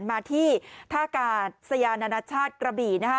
มาที่ธ้ากาศยานานชาติกระบี